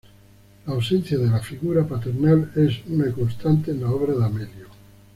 La ausencia de la figura paternal es una constante en la obra de Amelio.